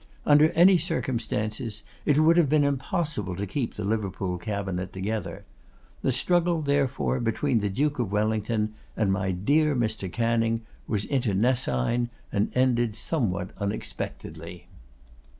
Under any circumstances it would have been impossible to keep the Liverpool Cabinet together. The struggle, therefore, between the Duke of Wellington and 'my dear Mr. Canning' was internecine, and ended somewhat unexpectedly.